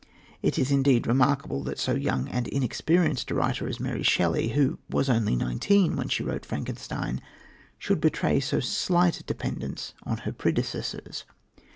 It is indeed remarkable that so young and inexperienced a writer as Mary Shelley, who was only nineteen when she wrote Frankenstein, should betray so slight a dependence on her predecessors.